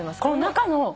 この中の。